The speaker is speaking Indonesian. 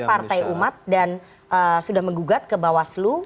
partai umat dan sudah menggugat ke bawah selu